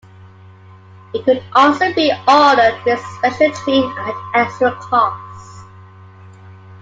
It could also be ordered with special trim at extra cost.